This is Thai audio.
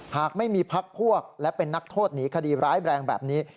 หากไม่มีพักพวกและเป็นนักโทษหนีคดีร้ายแรงแบบนี้